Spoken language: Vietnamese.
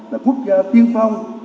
là quốc gia tiên phong